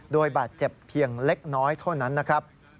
โดยบาดเจ็บเพียงเล็กน้อยเท่านั้นนะครับ